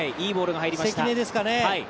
関根ですかね。